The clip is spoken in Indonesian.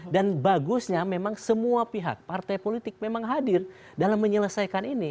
dan bagusnya memang semua pihak partai politik memang hadir dalam menyelesaikan ini